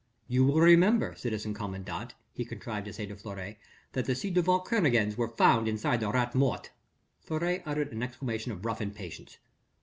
"You will remember, citizen commandant," he contrived to say to Fleury, "that the ci devant Kernogans were found inside the Rat Mort." Fleury uttered an exclamation of rough impatience.